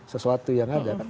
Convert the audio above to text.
sesuatu yang ada